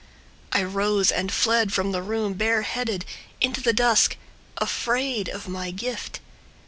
I rose and fled from the room bare headed Into the dusk, afraid of my gift.